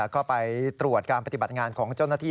ก็ไปตรวจการปฏิบัติงานของเจ้าหน้าที่